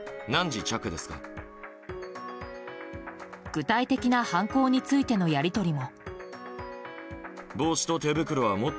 具体的な犯行についてのやり取りも。